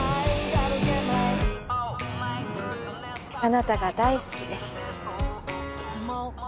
あなたが大好きです